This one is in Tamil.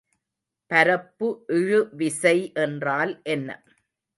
பரப்பு இழுவிசை என்றால் என்ன?